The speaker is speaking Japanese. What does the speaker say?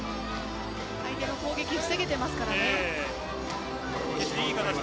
相手の攻撃防げていますからね。